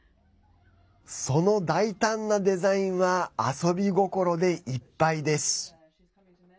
その大胆なデザインは遊び心でいっぱいです。